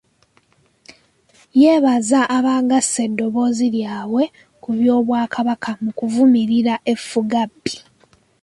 Yeebaza abagasse eddoboozi lyabwe ku ly'Obwakabaka mu kuvumirira effugabbi.